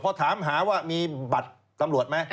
พอถามหาว่ามีบัตรตำรวจไหม